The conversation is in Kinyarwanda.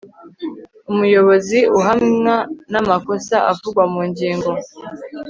umuyobozi uhamwa n'amakosa avugwa mu ngingo